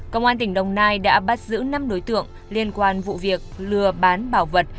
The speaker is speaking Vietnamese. công an tỉnh đồng nai đã bắt giữ năm đối tượng liên quan vụ việc lừa bán bảo vật